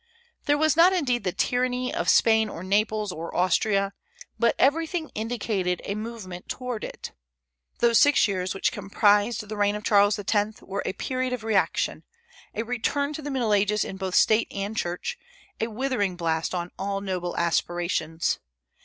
There was not indeed the tyranny of Spain or Naples or Austria; but everything indicated a movement toward it. Those six years which comprised the reign of Charles X. were a period of reaction, a return to the Middle Ages in both State and Church, a withering blast on all noble aspirations.